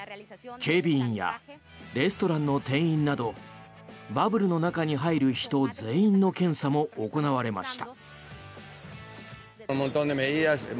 警備員やレストランの店員などバブルの中に入る人全員の検査も行われました。